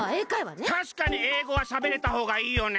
たしかに英語はしゃべれたほうがいいよね。